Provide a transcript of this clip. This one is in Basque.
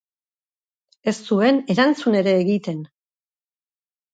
Ez zuen erantzun ere egiten.